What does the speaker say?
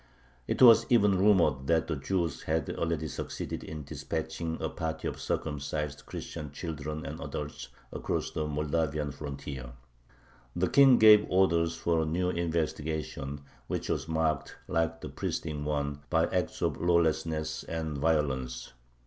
It was even rumored that the Jews had already succeeded in dispatching a party of circumcised Christian children and adults across the Moldavian frontier. The King gave orders for a new investigation, which was marked, like the preceding one, by acts of lawlessness and violence.